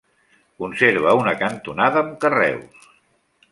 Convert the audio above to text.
Conserva una cantonada amb carreus.